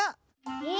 え？